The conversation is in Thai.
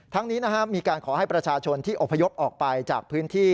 นี้มีการขอให้ประชาชนที่อพยพออกไปจากพื้นที่